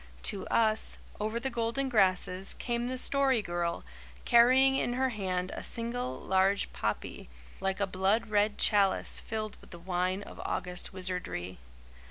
To us, over the golden grasses, came the Story Girl, carrying in her hand a single large poppy, like a blood red chalice filled with the wine of August wizardry.